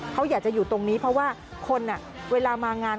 เขาอยากจะอยู่ตรงนี้เพราะว่าคนเวลามางาน